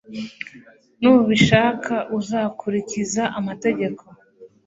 nubishaka, uzakurikiza amategeko